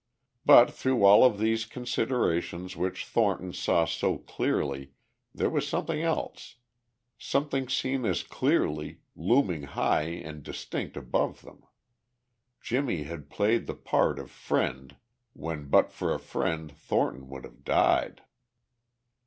But through all of these considerations which Thornton saw so clearly there was something else; something seen as clearly, looming high and distinct above them: Jimmie had played the part of friend when but for a friend Thornton would have died.